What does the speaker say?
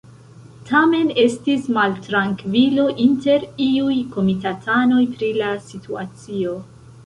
Tamen estis maltrankvilo inter iuj komitatanoj pri la situacio.